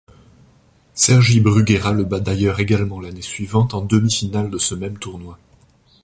Sergi Bruguera le bat d'ailleurs également l'année suivante en demi-finale de ce même tournoi.